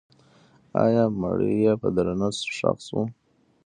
آیا مړی یې په درنښت ښخ سو؟